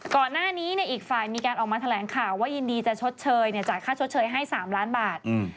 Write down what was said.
ก่อนหน้านี้อีกฝ่ายมีการออกมาแถลงข่าวว่ายินดีจะชดเชยจ่ายค่าชดเชยให้๓ล้านบาท